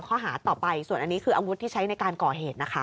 ข้อหาต่อไปส่วนอันนี้คืออาวุธที่ใช้ในการก่อเหตุนะคะ